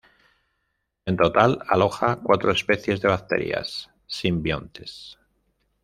En total, aloja cuatro especies de bacterias simbiontes.